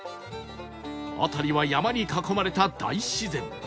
辺りは山に囲まれた大自然